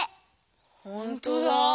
ほんとだ。